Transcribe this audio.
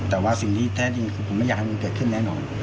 แต่ว่าสิ่งที่แท้จริงคือผมไม่อยากให้มันเกิดขึ้นแน่นอน